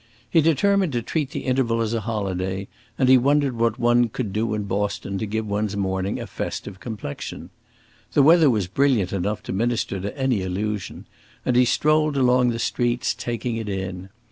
He determined to treat the interval as a holiday, and he wondered what one could do in Boston to give one's morning a festive complexion. The weather was brilliant enough to minister to any illusion, and he strolled along the streets, taking it in.